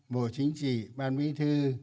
bộ chính trị ban mỹ thư